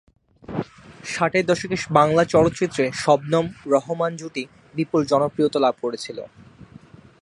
ষাটের দশকে বাংলা চলচ্চিত্রে শবনম-রহমান জুটি বিপুল জনপ্রিয়তা লাভ করেছিল।